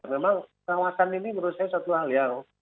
memang kawasan ini menurut saya satu hal yang